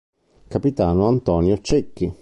Capitano Antonio Cecchi